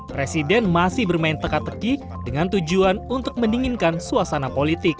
presiden masih bermain teka teki dengan tujuan untuk mendinginkan suasana politik